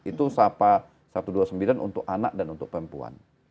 itu sapa satu ratus dua puluh sembilan untuk anak dan untuk perempuan